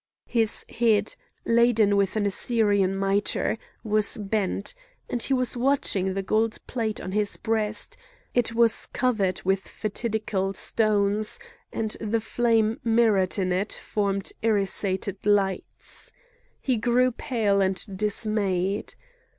His head, laden with an Assyrian mitre, was bent, and he was watching the gold plate on his breast; it was covered with fatidical stones, and the flame mirrored in it formed irisated lights. He grew pale and dismayed.